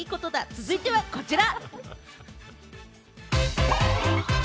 続いては、こちら。